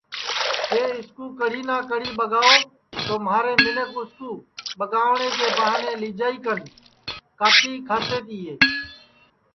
کہ اِس کُو کڑی نہ کڑی ٻگاؤ تو مہارے منکھ اُس کُو ٻگاوٹؔے کے بہانے لیجائی کاٹی کن کھاتے تیے